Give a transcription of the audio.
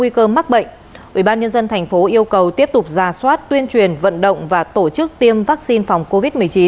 ubnd tp yêu cầu tiếp tục ra soát tuyên truyền vận động và tổ chức tiêm vaccine phòng covid một mươi chín